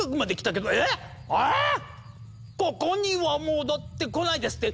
ここには戻ってこないですって